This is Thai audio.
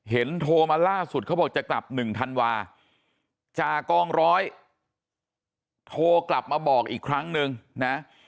โทรมาล่าสุดเขาบอกจะกลับ๑ธันวาจากกองร้อยโทรกลับมาบอกอีกครั้งนึงนะ